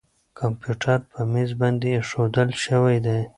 کمپیوټر په مېز باندې اېښودل شوی دی.